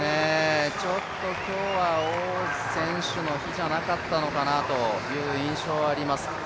今日は王選手の日じゃなかったのかなという印象はあります。